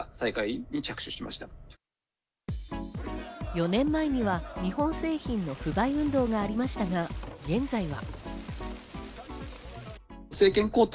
４年前には日本製品の不買運動がありましたが、現在は。